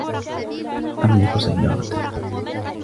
أملك سيارةً.